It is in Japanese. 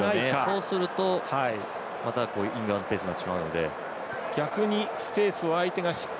そうすると、またイングランドペースになってしまうので。